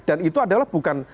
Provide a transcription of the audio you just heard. dan itu adalah bukan